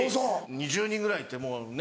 ２０人ぐらいいてもうね